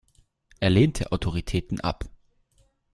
Er lehnte Autoritäten ab.